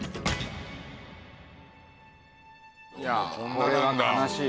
これは悲しい。